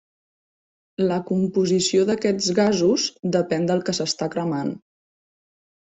La composició d'aquests gasos depèn del que s'està cremant.